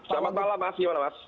selamat malam mas gimana mas